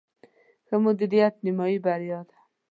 ښه مدیریت، نیمایي بریا ده